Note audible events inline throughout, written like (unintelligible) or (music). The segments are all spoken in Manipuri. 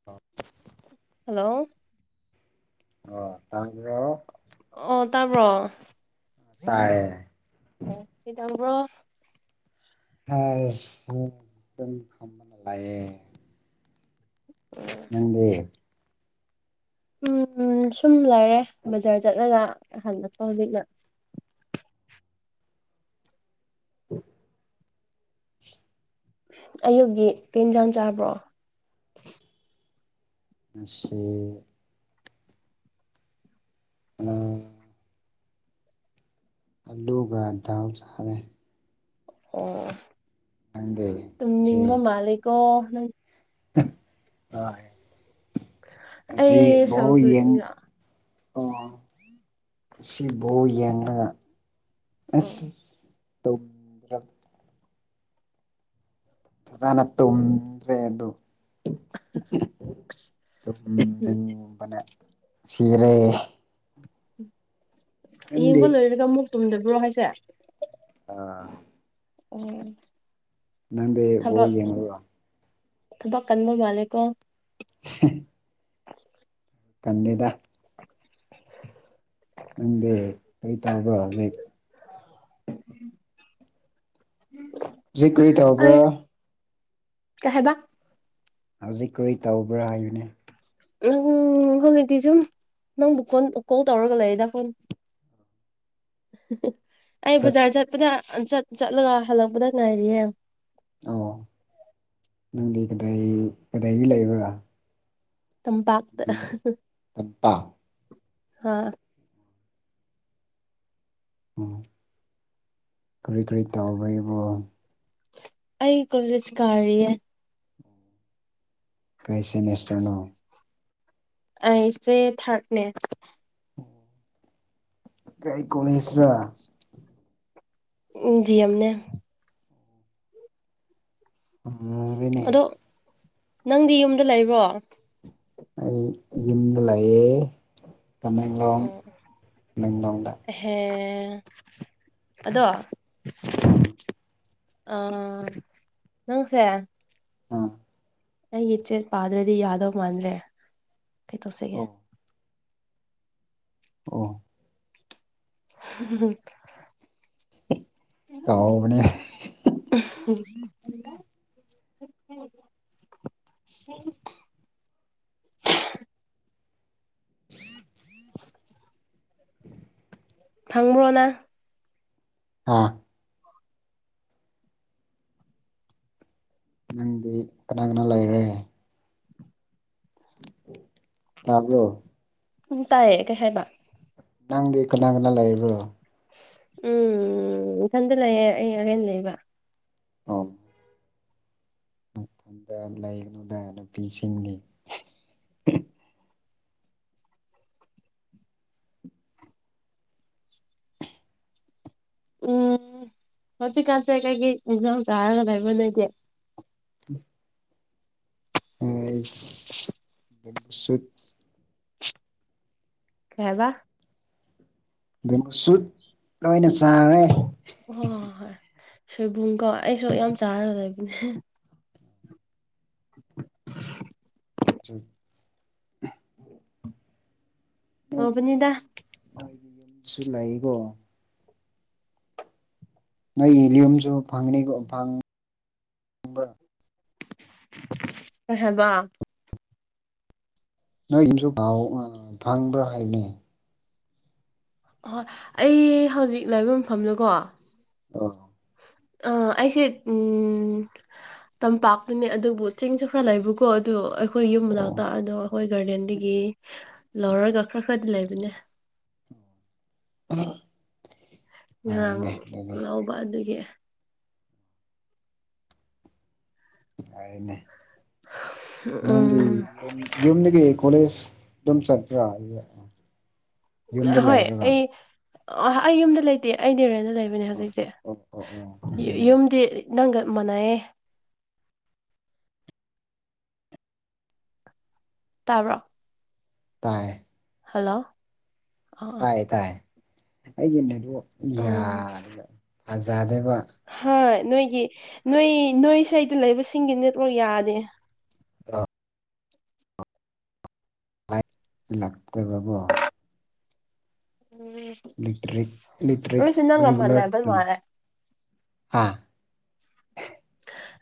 (unintelligible) ꯍꯜꯂꯣ (unintelligible) ꯑꯣ ꯇꯥꯕ꯭ꯔꯣ ꯇꯥꯏꯌꯦ ꯑꯣ ꯀꯩꯗꯧꯔꯤꯅꯣ ꯑꯁ ꯗꯨꯝ ꯐꯝꯃꯒ ꯂꯩꯌꯦ ꯅꯪꯗꯤ ꯎꯝ ꯁꯨꯝ ꯂꯩꯔꯦ ꯕꯖꯥꯔ ꯆꯠꯂꯒ ꯍꯜꯂꯛꯇꯕꯤꯗ (inaudible) ꯑꯌꯨꯛꯒꯤ ꯀꯩ ꯏꯟꯖꯥꯡ ꯆꯥꯕ꯭ꯔꯣ ꯃꯁꯤ ꯎꯝ ꯑꯂꯨꯒ ꯗꯥꯟꯁ ꯍꯃꯦ ꯑꯣ ꯅꯪꯗꯤ ꯇꯨꯝꯅꯤꯡꯕ ꯃꯥꯜꯂꯦꯀꯣ ꯅꯪ ꯍꯣꯏ ꯉꯁꯤ ꯑꯩ ꯕꯣꯜ ꯌꯦꯡ ꯁꯧꯒ꯭ꯔꯤꯒ ꯑꯣ ꯉꯁꯤ ꯕꯣꯜ ꯌꯦꯡꯔꯒ ꯑꯣ ꯑꯁ ꯇꯧ ꯑꯥ ꯐꯖꯥꯅ ꯇꯨꯝꯗ꯭ꯔꯦ ꯑꯗꯨ ꯎꯝ ꯑꯗꯨꯨꯝ ꯃꯤꯕꯅ ꯁꯤꯔꯦ ꯅꯪꯗꯤ ꯌꯦꯡꯕ ꯂꯣꯏꯔꯒ ꯑꯃꯨꯛ ꯇꯨꯝꯗꯕ꯭ꯔꯣ ꯍꯥꯏꯁꯦ ꯑ ꯎꯝ ꯅꯪꯗꯤ ꯕꫭꯜ ꯌꯦꯡꯕ꯭ꯔꫭ ꯊꯕꯛ ꯀꯟꯕ ꯃꯥꯜꯂꯦꯀꯣ (unintelligible) ꯀꯟꯕꯤꯗ ꯅꯪꯗꯤ ꯀꯔꯤ ꯇꯧꯕ꯭ꯔꯥ ꯫ ꯍꯧꯖꯤꯛ ꯀꯔꯤ ꯑꯩ ꯇꯧꯕ꯭ꯔꯥ ꯀꯩꯍꯥꯏꯕ ꯍꯧꯖꯤꯛ ꯀꯨꯔꯤ ꯇꯧꯕ꯭ꯔꯥ ꯍꯥꯏꯕꯅꯦ ꯎꯝ ꯍꯧꯖꯤꯛꯇꯤ ꯁꯨꯝ ꯅꯪꯕꯨ ꯀꯣꯟ ꯀꯣꯜ ꯇꯧꯔꯒ ꯂꯩꯗ ꯐꯣꯟ ꯑꯩ ꯁꯛ ꯕꯖꯥꯔ ꯆꯠꯄꯗ ꯆꯠ ꯆꯠꯂꯒ ꯍꯜꯂꯛꯄꯗ ꯉꯥꯏꯔꯤꯌꯦ ꯑꯣ ꯅꯪꯗꯤ ꯀꯗꯥꯏ ꯀꯗꯥꯏꯗ ꯂꯩꯕ꯭ꯔꯥ ꯇꯝꯄꯥꯛꯇ ꯅꯪ ꯇꯝꯄꯥꯛ ꯑꯣ ꯀꯔꯤ ꯀ꯭ꯔꯤ ꯇꯧꯕ꯭ꯔ ꯢꯕꯣ ꯑꯩ ꯀꯣꯂꯦꯖ ꯀꯥꯔꯤꯌꯦ ꯀꯩ ꯁꯤꯃꯤꯁꯇꯔꯅꯣ ꯑꯩꯁꯦ ꯊꯔ꯭ꯗꯅꯦ ꯀꯔꯤ ꯀꯣꯂꯦꯁꯔ ꯎꯝ ꯗꯤ ꯑꯦꯝꯅꯦ ꯃꯨꯔꯦꯅꯦ ꯑꯗꯣ ꯅꯪꯗꯤ ꯌꯨꯝꯗ ꯂꯩꯕ꯭ꯔꯣ꯫ ꯑꯩ ꯌꯨꯝꯗ ꯂꯩꯌꯦ ꯇꯃꯦꯡꯂꯣꯡ ꯇꯃꯦꯡꯂꯣꯡꯗ ꯍꯦ ꯑꯗꯣ ꯑꯥ ꯑ ꯅꯪꯁꯦ ꯑꯥ ꯑꯩꯒꯤ ꯏꯆꯦꯠ ꯄꯥꯗ꯭ꯔꯗꯤ ꯌꯥꯗꯧ ꯃꯥꯟꯗ꯭ꯔꯦ ꯀꯩ ꯇꯧꯁꯤꯒꯦ ꯑꯣ ꯑꯣ (unintelligible) ꯇꯧꯕꯅꯦ ꯎꯝ ꯁꯤ (unintelligible) (inaudible) (inaudible) ꯐꯪꯕ꯭ꯔꯣꯅ ꯑꯥ ꯅꯪꯗꯤ ꯀꯅꯥ ꯀꯅꯥ ꯂꯩꯔꯦ ꯇꯥꯕ꯭ꯔꯣ ꯎꯝ ꯇꯥꯏꯌꯦ ꯀꯩ ꯍꯥꯏꯕ ꯅꯪꯒꯤ ꯀꯅꯥ ꯀꯅꯥ ꯂꯩꯕ꯭ꯔꯣ ꯎꯝ ꯏꯊꯟꯗ ꯂꯩꯌꯦ ꯑꯩ ꯔꯦꯟ ꯂꯩꯕ ꯑꫭ ꯃꯗ ꯂꯩꯒꯅꯨꯗ ꯅꯨꯄꯤꯁꯤꯡꯒꯤ ꯎꯝ ꯀꯟꯁꯦ ꯀꯩ‌ꯀꯩ ꯑꯦꯟꯁꯥꯡ ꯆꯥꯔꯒ ꯂꯩꯕ ꯅꯣꯏꯗꯤ ꯎꯝ (unintelligible) (unintelligible) (unintelligible) ꯀꯩ ꯍꯥꯏꯕ ꯃꯣ ꯁꯨꯠ ꯂꯣꯏꯅ ꯆꯥꯔꯦ ꯍ ꯍꯣꯏ ꯍꯣꯏ ꯁꯣꯏꯕꯨꯝꯀꯣ ꯑꯩꯁꯨ ꯌꯥꯝ ꯆꯥꯔꯒ ꯂꯩꯕꯅꯦ ꯑ ꯑꯣꯕꯗ ꯌꯨꯝꯁꯨ ꯂꯩꯕꯣ ꯅꯣꯏ ꯂꯤꯌꯨꯝꯁꯨ ꯐꯪꯅꯤ ꯍꯦꯕ ꯅꯣꯏ ꯏꯁꯨ ꯑ ꯐꯪꯕ꯭ꯔꯥ ꯍꯥꯏꯕꯅꯦ ꯑꯍꯣꯏ ꯑꯩ ꯍꯧꯖꯤꯛ ꯂꯥꯏꯕ ꯃꯐꯝꯗꯀꯣ ꯑꯣ ꯑꯥ ꯑꯩꯁꯦ ꯎꯝ ꯇꯝꯄꯥꯛꯇꯨꯅꯦ ꯑꯗꯨꯕꯨ ꯆꯤꯡꯁꯨ ꯈꯔ ꯂꯩꯕꯀꯣ ꯑꯗꯨ ꯑꯩꯈꯣꯏ ꯌꯨꯝ ꯑꯣ ꯃꯅꯥꯛꯇꯥꯛ ꯑꯗꯣ ꯑꯩꯈꯣꯏ ꯒꯥꯔꯗꯦꯟꯗꯒꯤ ꯂꯧꯔꯒ ꯈꯔ ꯈꯔꯗꯤ ꯂꯩꯕꯅꯦ ꯑꯥ ꯉꯔꯥꯡ ꯂꯧꯕ ꯑꯗꯨꯒꯤ (unintelligible) ꯅꯪꯒꯤ ꯎꯝ ꯌꯨꯝꯗꯒꯤ ꯀꫭꯂꯦꯖ ꯑꯗꯨꯝ ꯆꯠꯄ꯭ꯔ ꯥ ꯍꯣꯏ ꯑꯩ ꯑꯩ ꯌꯨꯝꯗ ꯂꯩꯇꯦ ꯑꯩꯗꯤ ꯔꯦꯟꯗ ꯂꯩꯕꯅꯦ ꯅꯦ ꯑꯣ ꯍꯧꯖꯤꯛꯇꯤ ꯑꯣ ꯑꯣ ꯑꯣ ꯈꯨꯝꯖꯤꯟꯉꯦ ꯌꯨꯝꯗꯤ ꯅꯪꯒ ꯃꯥꯟꯅꯩꯑꯌꯦ ꯇꯥꯕ꯭ꯔꯣ ꯇꯥꯏ ꯍꯜꯂꯣ ꯑꯥ ꯑꯥ ꯇꯥꯏ ꯇꯥꯏ ꯑꯩꯒꯤ ꯃꯗꯨ ꯎꯝ ꯌꯥꯗꯕ ꯐꯖꯗꯕ ꯍꯣꯏ ꯅꯣꯏꯒꯤ ꯅꯣꯏ ꯅꯣꯏꯁꯗ ꯂꯩꯕꯁꯤꯡꯒꯤ ꯅꯦꯠꯋꯥꯛ ꯌꯥꯗꯦ ꯑ ꯂꯥꯏ ꯂꯥꯛꯇꯕꯕꯣ ꯎꯝ ꯏ ꯏꯛ ꯑꯩꯁꯨ ꯅꯪꯒ ꯃꯥꯟꯅꯕ ꯃꯥꯜꯂꯦ ꯔꯦꯒꯂꯔ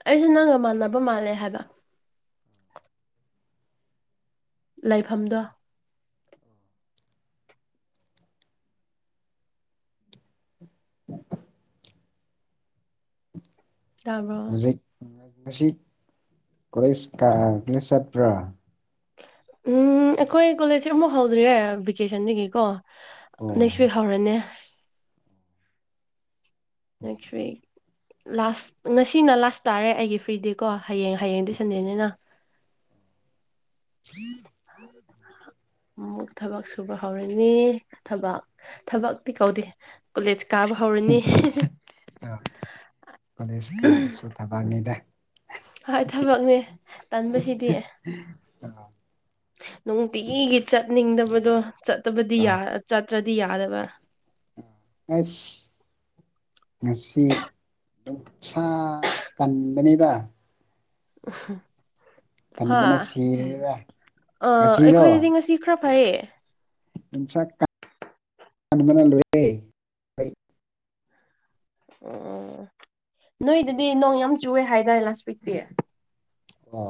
ꯑꯩꯁꯨꯦ ꯅꯪꯒ ꯃꯥꯟꯅꯕ ꯃꯥꯜꯂꯦ ꯍꯥꯏꯕ ꯂꯩꯥꯏꯐꯝꯗꯣ ꯇꯥꯕ꯭ꯔꯣ ꯍꯧꯖꯤꯛ ꯉꯁꯤ ꯀꯣꯂꯦꯖ ꯀꯣꯂꯦꯖ ꯆꯠꯄ꯭ꯔꯥ ꯎꯝ ꯑꯩꯈꯣꯏ ꯀꯣꯂꯦꯖꯁꯦ ꯑꯃꯨꯛ ꯍꯧꯗ꯭ꯔꯤ ꯌꯥꯏ ꯚꯦꯀꯦꯁꯟꯗꯒꯤꯀꯣ ꯑꯣ ꯅꯩ ꯁꯍꯧꯔꯅꯦ ꯅꯆꯔꯤ ꯂꯥꯁ ꯉꯁꯤꯅ ꯂꯥꯁ ꯇꯥꯔꯦ ꯑꯩꯒꯤ ꯐ꯭ꯔꯤ ꯗꯦ ꯀꯣ ꯍꯌꯦꯡ ꯍꯌꯦꯡꯗꯤ ꯁꯟꯟꯅꯦꯅꯤꯅ ꯎꯝ ꯑꯃꯨꯛ ꯊꯕꯛ ꯁꯨꯕ ꯍꯧꯔꯅꯤ ꯊꯕꯛ ꯊꯕꯛꯇꯤ ꯀꯧꯗꯦ ꯀꯣꯂꯦꯖ ꯀꯥꯕ ꯍꯧꯔꯅꯤ ꯑꯥ ꯀꯣꯂꯦꯖ ꯀ ꯑꯃꯁꯨ ꯊꯕꯛꯅꯤꯗ ꯍꯣꯏ ꯊꯕꯛꯅꯦ ꯇꯟꯕꯁꯤꯗꯤ ꯅꯨꯡꯇꯤꯒꯤ ꯆꯠꯅꯤꯡꯗꯕꯗꯣ ꯆꯠꯇꯕꯗꯤ ꯆꯠꯇ꯭ꯔꯗꯤ ꯌꯥꯗꯕ ꯑꯁ ꯉꯁꯤ ꯅꯨꯡꯁꯥ ꯀꯟꯕꯅꯤꯗ (unintelligible) ꯍꯥ ꯀꯟꯕꯅ ꯁꯤꯔꯦꯗ ꯑ ꯉꯁꯤꯗꯣ ꯑꯩꯈꯣꯏꯗꯗꯤ ꯉꯁꯤ ꯈꯔ ꯐꯥꯏꯌꯦ ꯄꯨ ꯀ ꯀ ꯃꯅ ꯂꯣꯋꯦ ꯑꯣ ꯅꯣꯏꯗꯗꯤ ꯅꯣꯡ ꯌꯥꯝ ꯆꯨꯑꯦ ꯍꯥꯏꯇꯥꯔꯦ ꯂꯥꯁ ꯋꯤꯛꯇꯤ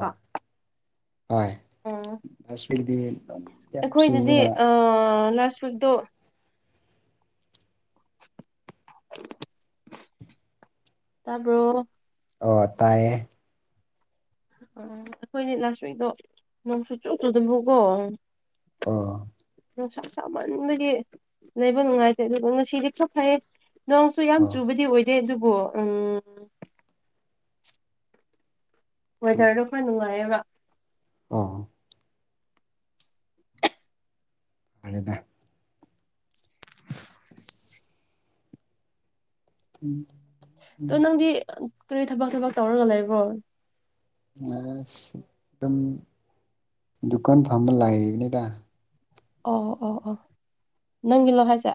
ꯀꯣ ꯍꯣꯏ ꯎꯝ ꯁꯕꯤꯗꯤ ꯌꯥꯝ ꯆꯨꯔꯒ ꯁꯨꯗꯣ ꯇꯔꯕꯣ ꯑꯣ ꯇꯥꯏꯌꯦ ꯎꯝ ꯑꯩꯈꯣꯏꯅꯦ ꯂꯥꯁ ꯋꯤꯛꯇꯣ ꯅꯣꯡꯁꯨꯨ ꯆꯨꯞꯂꯨꯗꯕꯨꯀꯣ ꯑ ꯅꯨꯡꯁꯥ ꯁꯥꯥꯃꯟꯕꯗꯤ ꯂꯩꯕ ꯅꯨꯡꯉꯥꯏꯇꯦ ꯑꯗꯨꯒ ꯉꯁꯤꯗꯤ ꯈꯔ ꯐꯩꯌꯦ ꯅꯣꯡꯁꯨ ꯌꯥꯝ ꯑꯣ ꯆꯨꯕꯗꯤ ꯑꯣꯏꯗꯦ ꯑꯗꯨꯕꯨ ꯎꯝ ꯋꯦꯗꯔꯗꯣ ꯈꯔ ꯅꯨꯡꯉꯥꯏꯌꯦꯕ ꯑꯥ ꯍꯗ ꯎ ꯑ ꯅꯪꯗꯤ ꯀꯔꯤ ꯊꯕꯛ ꯊꯕꯛ ꯇꯧꯔꯒ ꯂꯩꯕ꯭ꯔꯣ ꯑ ꯑꯗꯨꯝ ꯗꯨꯀꯥꯟ ꯐꯝꯕ ꯂꯥꯛꯕꯅꯤꯗ ꯑꯣ ꯑꯣ ꯑꯣ ꯅꯪꯒꯤꯂꯣ ꯍꯥꯏꯁꯦ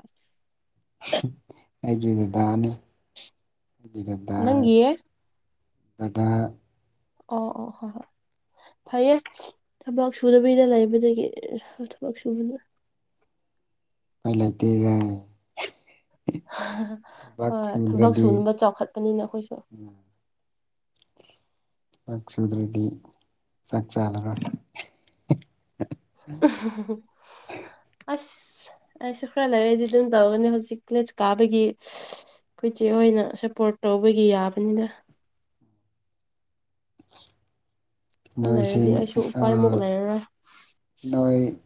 ꯑꯩꯒꯤ ꯗꯥꯅꯤ ꯑꯩꯒꯤꯗ ꯅꯪꯌꯦꯦ ꯑꯩꯗꯤ ꯑꯣ ꯑꯣ ꯍꯣ ꯍꯣꯏ ꯐꯩꯌꯦ ꯊꯕꯛ ꯁꯨꯗꯕꯅ ꯂꯩꯕꯗꯒꯤ ꯊꯕꯛ ꯁꯨꯕꯅ ꯄ ꯂꯩ ꯇꯒ ꯍꯣꯏ ꯊꯕꯛ ꯁꯨꯗ꯭ꯔꯗꯤ ꯁꯨꯅꯕ ꯆꯥꯎꯈꯠꯄꯅꯤꯅ ꯑꯩꯈꯣꯏꯁꯨ ꯆꯥꯛ ꯁꯨꯗ꯭ꯔꯗꯤ ꯆꯛꯆꯜꯒ ꯑꯁ ꯑꯩꯁꯨ ꯈꯔ ꯂꯩꯔꯛꯗꯤ ꯑꯗꯨꯝ ꯇꯧꯒꯅꯤ ꯍꯧꯖꯤꯛ ꯀꯦꯖ ꯀꯥꯕꯒꯤ ꯑꯩꯈꯣꯏꯁꯦ ꯑꯣꯏꯅ ꯁꯞꯄꯣꯔꯠ ꯇꯧꯕꯒꯤ ꯌꯥꯕꯅꯤꯅ ꯑꯗꯨ ꯂꯩꯔꯗꯤ ꯅꯣꯏꯁꯤꯡ ꯑꯩꯁꯨ ꯎꯄꯥꯏꯃꯨꯛ ꯂꯩꯔꯔꯣꯏ ꯅꯣꯏ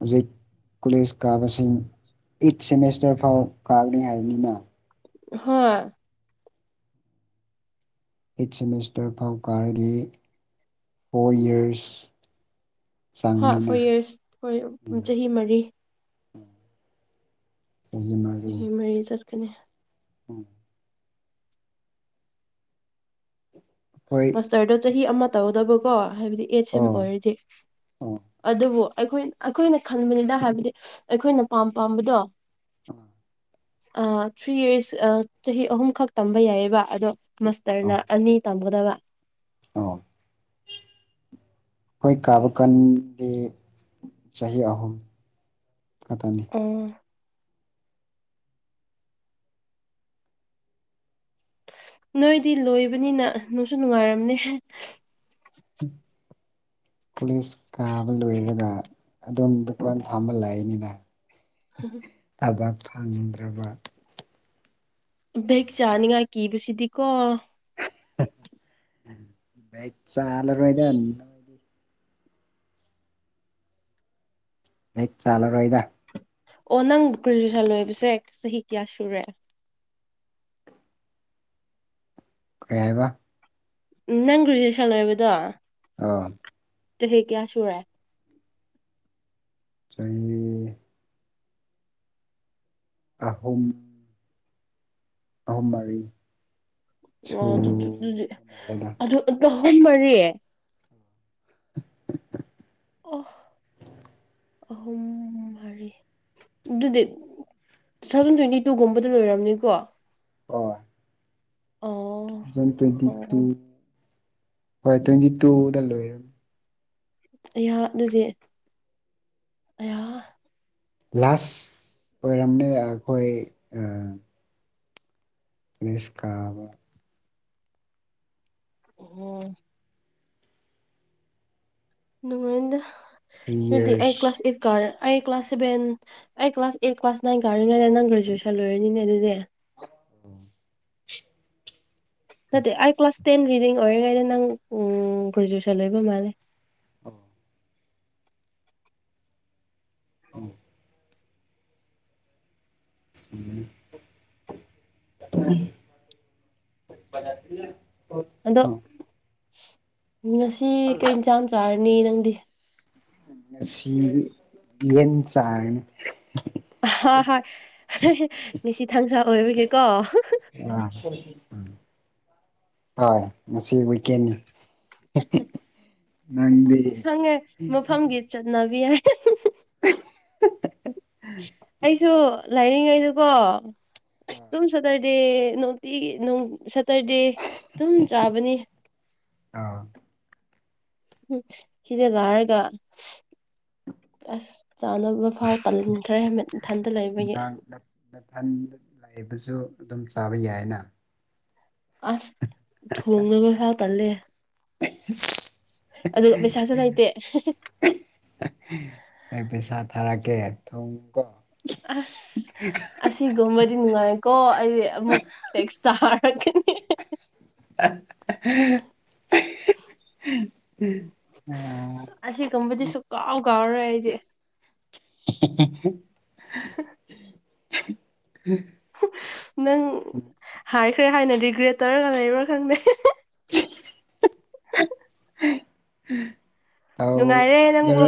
ꯍꯧꯖꯤꯛ ꯀꯣꯂꯦꯖ ꯀꯥꯕꯁꯤꯡ ꯑꯩꯠ ꯁꯦꯃꯦꯁꯇꯔ ꯐꯥꯎ ꯀꯥꯒꯅꯤ ꯍꯥꯏꯕꯅꯤꯅ ꯍꯣꯏ ꯑꯩꯠ ꯁꯦꯃꯤꯁꯇꯔ ꯐꯥꯎ ꯀꯥꯔꯒ ꯐꯣꯔ ꯌꯔꯁ ꯍꯥ ꯆꯪꯒꯅꯤꯅ ꯐꯣꯔ ꯌꯔꯁ ꯐꯣꯏ ꯎꯝ, ꯆꯍꯤ ꯃꯔꯤ ꯎ ꯆꯍꯤ ꯃꯔꯤ ꯆꯠꯀꯅꯤ ꯎꯝ ꯑꯩꯈꯣꯏ ꯃꯥꯁꯇꯔꯗꯣ ꯆꯍꯤ ꯑꯃ ꯇꯧꯒꯗꯕꯀꯣ ꯍꯥꯏꯕꯗꯤ ꯑꯦꯠꯁ ꯑꯦꯝ ꯑꯣ ꯑꯣꯏꯔꯗꯤꯦ ꯑꯣ ꯑꯗꯨꯕꯨ ꯑꯩꯈꯣꯏ ꯑꯩꯈꯣꯏꯅ ꯈꯟꯕꯅꯤꯅ ꯍꯥꯏꯕꯗꯤ ꯑꯩꯈꯣꯏꯅ ꯄꯥꯝ ꯄꯥꯝꯕꯗꯣ ꯑꯥ ꯑ ꯊ꯭ꯔꯤ ꯌꯔꯁ ꯆꯍꯤ ꯑꯍꯨꯝꯈꯛ ꯇꯝꯕ ꯌꯥꯏꯑꯕ ꯑꯗꯣ ꯃꯥꯁꯇꯔꯅ ꯑꯣ ꯑꯅꯤ ꯇꯝꯒꯗꯕ ꯑꯩꯈꯣꯏ ꯀꯥꯕ ꯀꯟꯗꯤ ꯆꯍꯤ ꯑꯍꯨꯝ ꯀꯇꯅꯤ ꯎꯝ ꯅꯣꯏꯗꯤ ꯂꯣꯏꯕꯅꯤꯅ ꯅꯅꯨꯡꯁꯨ ꯅꯨꯡꯉꯥꯏꯔꯝꯅꯦ ꯀꯂꯤꯁ ꯀꯥꯕ ꯂꯣꯏꯔꯒ ꯑꯗꯨꯝ ꯕꯀꯣꯟ ꯐꯥꯝꯕ ꯂꯥꯛꯏꯅꯤꯅ ꯎ ꯊꯕꯛ ꯐꯪꯗ꯭ꯔꯕ ꯕꯦꯛ ꯆꯥꯅꯤꯡꯉꯥꯏ ꯀꯤꯕꯁꯤꯗꯤꯀꯣ ꯃꯩ ꯆꯂꯃꯥꯏꯗ ꯍꯛ ꯆꯥꯂꯔꯣꯏꯗ ꯑꯣ ꯅꯪ ꯒ꯭ꯔꯦꯖꯨꯋꯦꯁꯟ ꯂꯣꯏꯕꯁꯦ ꯆꯍꯤ ꯀꯌꯥ ꯁꯨꯔꯦ ꯀꯔꯤꯦ ꯍꯥꯏꯕ ꯎ ꯅꯪ ꯒ꯭ꯔꯦꯖꯨꯋꯦꯁꯟ ꯂꯣꯏꯕꯗꯣ ꯑꯥ ꯍꯦꯛ ꯀꯌꯥ ꯁꯨꯔꯦ ꯆꯥꯦ ꯑꯍꯨꯝ ꯑꯍꯨꯝꯃꯔꯤ ꯑꯣ ꯑꯗꯨꯗꯤ ꯃꯥꯜꯂꯦꯗ ꯑꯗꯨ ꯑꯍꯨꯝ ꯃꯔꯤ ꯑ ꯑꯍꯨꯝꯨꯝ ꯍꯔꯤ ꯑꯗꯨꯗꯤ ꯇꯨ ꯊꯥꯎꯖꯟ ꯇ꯭ꯋꯦꯟꯇꯤ ꯇꯨꯒꯨꯝꯕꯗ ꯂꯣꯏꯔꯝꯅꯤꯀꯣ ꯑꯣ ꯑꯣ ꯇ꯭ꯋꯇ ꯑꯣ ꯇ ꯑꯣ ꯍꯣꯏ ꯇ꯭ꯋꯦꯟꯇꯤ ꯇꯨꯗ ꯂꯣꯏ ꯑꯩꯍꯥꯛ ꯑꯗꯨꯗꯤ ꯑꯍ ꯂꯥꯁ ꯑꯣꯏꯔꯝꯅꯤ ꯑꯩꯈꯣꯏ ꯁꯀꯥꯕ ꯑꯣ ꯅꯉꯣꯏꯣꯟꯗ ꯊ꯭ꯔꯤ ꯌꯗꯤ ꯑꯩ ꯌꯔꯁ ꯀ꯭ꯂꯥꯁ ꯏꯔꯀꯔꯦ ꯑꯩ ꯀ꯭ꯂꯥꯁ ꯁꯕꯦꯟ ꯑꯩ ꯀ꯭ꯂꯥꯁ ꯑꯩꯠ ꯀ꯭ꯂꯥꯁ ꯅꯥꯏꯟ ꯀꯥꯔꯤꯅꯦꯗ ꯅꯪ ꯒ꯭ꯔꯦꯖꯨꯑꯦꯁꯟ ꯂꯣꯏꯔꯅꯤꯅꯦ ꯑꯗꯨꯗꯤ ꯑꯣ ꯅꯠꯇꯦ ꯑꯩ ꯀ꯭ꯂꯥꯁ ꯇꯦꯟ ꯔꯤꯗꯤꯡ ꯑꯣꯏꯔꯤꯉꯩꯗ ꯅꯪ ꯒ꯭ꯔꯦꯖꯨꯦꯁꯟ ꯂꯣꯏꯕ ꯃꯥꯜꯂꯦ ꯑꯣ ꯎ (unintelligible) ꯅꯥꯗ ꯑꯗꯣ ꯉꯁꯤ ꯀꯩ ꯏꯟ ꯆꯥꯡ ꯆꯥꯔꯅꯤ ꯅꯪꯗꯤ ꯉꯁꯤ ꯌꯦꯟ ꯆꯥꯡ ꯍꯣꯏ ꯍꯣꯏ ꯉꯁꯤ ꯊꯥꯡꯁꯥ ꯑꯣꯏꯕꯒꯦꯀꯣ ꯑ ꯍꯣꯏ ꯉꯁꯤ ꯋꯤꯀꯦꯟꯅꯤ ꯅꯗꯤ ꯆꯠꯅꯥꯕꯤ ꯍꯥꯏ (unintelligible) ꯑꯩꯁꯨ ꯂꯥꯏꯔꯤꯉꯩꯗꯨꯀꯣ ꯁꯨꯝ ꯁꯇꯔꯗꯦ ꯅꯨꯡꯤꯒꯤꯣꯡ ꯁꯇꯔꯗꯦ ꯑꯗꯨꯝ ꯆꯥꯕꯅꯤ ꯑꯥ ꯎꯝ ꯁꯤꯗ ꯂꯥꯏꯔꯒ ꯑꯁ ꯆꯥꯅꯕ ꯏꯝꯐꯥꯎ ꯄꯟꯈ꯭ꯔꯦ ꯍꯥꯏꯠ ꯏꯊꯟꯗ ꯂꯩꯕꯒꯤ ꯃꯊꯟ ꯂꯥꯛꯏꯕꯁꯨ ꯑꯗꯨꯝ ꯆꯥꯕ ꯌꯥꯏꯅ ꯑꯁ ꯊꯣꯡꯅꯕ ꯐꯥꯎ ꯇꯜꯂꯦ (unintelligible) ꯑꯗꯨꯒ ꯄꯩꯁꯥꯁꯨ ꯂꯩꯇꯦ ꯑꯩ ꯄꯩꯁꯥ ꯊꯥꯔꯛꯀꯦ ꯊꯣꯡꯉ ꯀꯣ ꯑꯁ ꯑꯁ ꯁꯤꯒꯨꯝꯕꯗꯤ ꯅꯨꯡꯉꯥꯏꯀꯣ ꯑꯩ ꯑꯃꯨꯛ ꯇꯦꯛꯁ ꯇꯥꯔꯛꯀꯅꯤ ꯑ (unintelligible) ꯑ ꯑꯁꯤꯒꯨꯝꯕꯗꯤ ꯁꯨꯛꯀꯥꯎ ꯀꯥꯎꯔꯣꯏꯦ ꯑꯩꯗꯤ (unintelligible) (unintelligible) ꯅꯪ ꯍꯥꯏꯈ꯭ꯔꯦ ꯍꯥꯏꯅ ꯔꯤꯒ꯭ꯔꯦꯠ ꯇꯧꯔꯒ ꯂꯩꯕ꯭ꯔꯥ ꯈꯪꯗꯦ ꯝ ꯅꯨꯡꯉꯥꯏꯔꯦ ꯅꯪꯕꯨ